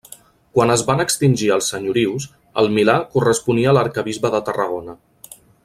Quan es van extingir els senyorius, el Milà corresponia a l'arquebisbe de Tarragona.